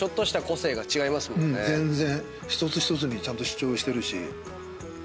全然。